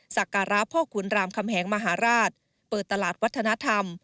สักการะพ่อขุนรามคำแหงมหาราชเปิดตลาดวัฒนธรรม